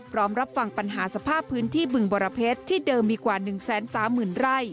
รับฟังปัญหาสภาพพื้นที่บึงบรเพชรที่เดิมมีกว่า๑๓๐๐๐ไร่